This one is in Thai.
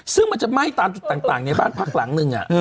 ซึ่งมันจะไหม้ตามจุดต่างในบ้านพักหลังนึง